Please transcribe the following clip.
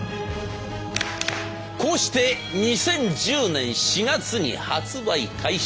こうして２０１０年４月に発売開始。